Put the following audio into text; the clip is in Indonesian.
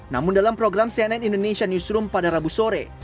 namun dalam program cnn indonesia newsroom pada rabu sore